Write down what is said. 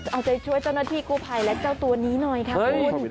เอาใจช่วยเจ้าหน้าที่กู้ภัยและเจ้าตัวนี้หน่อยค่ะคุณ